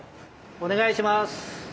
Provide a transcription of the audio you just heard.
お願いします！